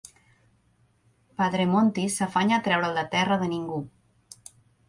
Padre Monty s'afanya a treure'l de Terra de Ningú.